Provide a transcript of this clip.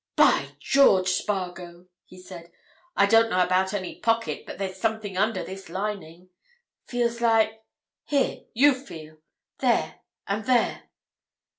"By George, Spargo!" he said. "I don't know about any pocket, but there's something under this lining. Feels like—here, you feel. There—and there."